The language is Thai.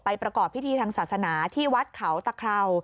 ประกอบพิธีทางศาสนาที่วัดเขาตะเครา